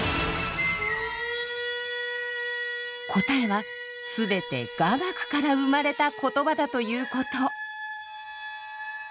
答えは全て雅楽から生まれた言葉だということ。